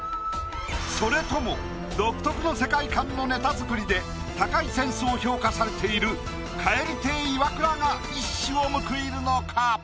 それとも独特の世界観のネタ作りで高いセンスを評価されている蛙亭イワクラが一矢を報いるのか？